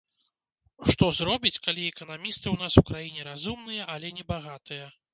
Што зробіць, калі эканамісты ў нас у краіне разумныя, але не багатыя.